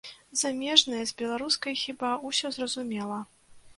Замежныя, з беларускай, хіба, усё зразумела.